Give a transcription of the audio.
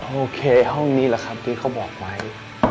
โอเคห้องนี้แหละครับที่เขาบอกไว้